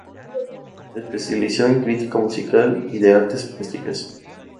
Se especializó en crítica musical y de artes plásticas.